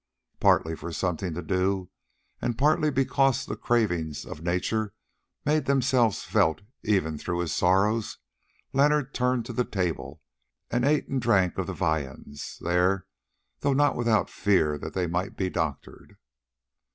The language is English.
Partly for something to do, and partly because the cravings of nature made themselves felt even through his sorrows, Leonard turned to the table and ate and drank of the viands there, though not without fear that they might be doctored.